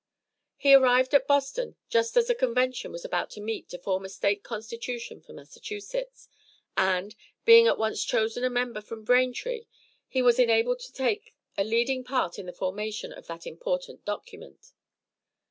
He arrived at Boston just as a convention was about to meet to form a State constitution for Massachusetts, and, being at once chosen a member from Braintree, he was enabled to take a leading part in the formation of that important document.